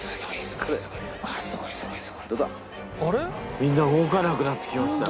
みんな動かなくなってきましたね。